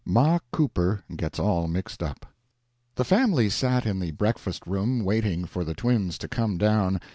MA COOPER GETS ALL MIXED UP The family sat in the breakfast room waiting for the twins to come down.